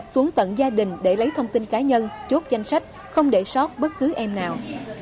xuống tận gia đình để lấy thông tin cá nhân chốt danh sách không để sót bất cứ em nào